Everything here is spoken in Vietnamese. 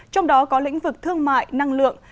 trong đó có lĩnh vực thương mại năng lượng